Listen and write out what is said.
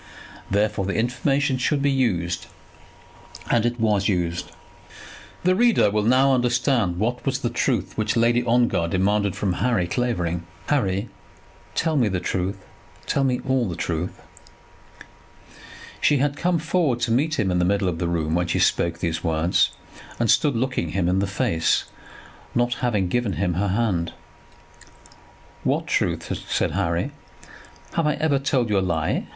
Therefore the information should be used; and: it was used. The reader will now understand what was the truth which Lady Ongar demanded from Harry Clavering. "Harry, tell me the truth; tell me all the truth." She had come forward to meet him in the middle of the room when she spoke these words, and stood looking him in the face, not having given him her hand. "What truth?" said Harry. "Have I ever told you a lie?"